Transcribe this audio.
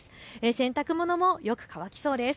洗濯物もよく乾きそうです。